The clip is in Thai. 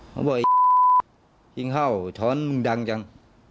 เขาบอกยิงเข้าช้อนมึงดังจัง